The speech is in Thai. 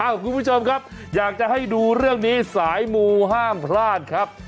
คุณผู้ชมครับอยากจะให้ดูเรื่องนี้สายมูห้ามพลาดครับ